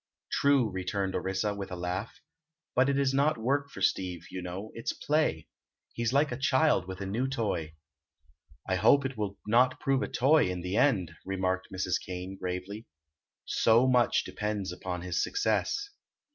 "True," returned Orissa, with a laugh; "but it is not work for Steve, you know; it's play. He's like a child with a new toy." "I hope it will not prove a toy, in the end," remarked Mrs. Kane, gravely. "So much depends upon his success."